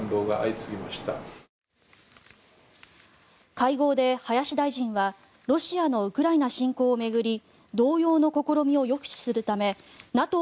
会合で、林大臣はロシアのウクライナ侵攻を巡り同様の試みを抑止するためＮＡＴＯ